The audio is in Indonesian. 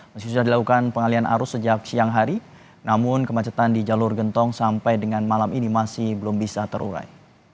masih sudah dilakukan pengalian arus sejak siang hari namun kemacetan di jalur gentong sampai dengan malam ini masih belum bisa terurai